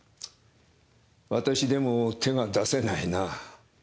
私でも手が出せないな。